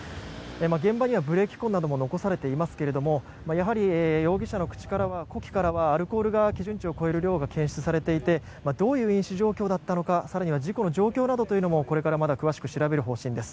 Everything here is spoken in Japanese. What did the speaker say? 現場にはブレーキ痕なども残されていますがやはり容疑者の呼気からはアルコールが基準値を超える量が検出されていてどういう飲酒状況だったのか更には事故の状況もこれから詳しく調べる方針です。